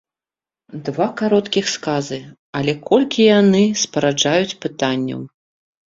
Два кароткіх сказы, але колькі яны спараджаюць пытанняў!